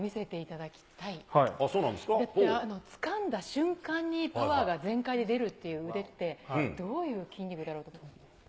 だってつかんだ瞬間にパワーが全開で出るっていう腕って、どういう筋肉だろうと思って。